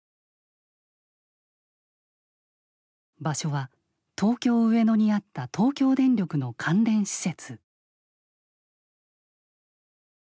場所は東京・上野にあった東京電力の関連施設。